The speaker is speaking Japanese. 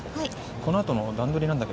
このあとの段取りなんだけど。